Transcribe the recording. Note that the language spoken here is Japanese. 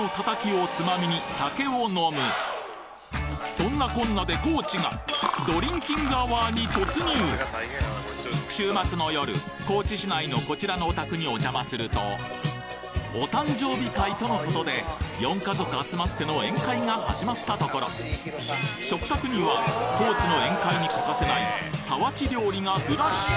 そんなこんなで高知が週末の夜高知市内のこちらのお宅にお邪魔するとお誕生日会とのことで４家族集まっての宴会が始まったところ食卓には高知の宴会に欠かせない皿鉢料理がずらり！